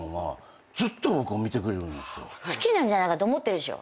好きなんじゃないかと思ってるでしょ。